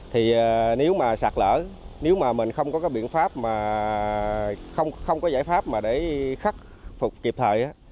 thì nếu mà sạt lở nếu mà mình không có cái biện pháp mà không có giải pháp mà để khắc phục kịp thời